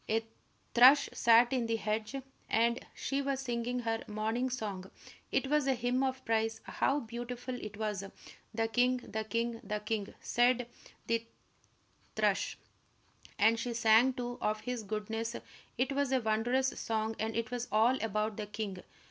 A thrush sat in the hedge, and she was singing her morning song. It was a hymn of praise, how beautiful it was! "The king the king the king," sang the thrush, and she sang, too, of his goodness, it was a wondrous song, and it was all about the king.